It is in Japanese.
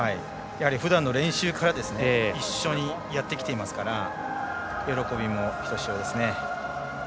ふだんの練習から一緒にやってきていますから喜びもひとしおですね。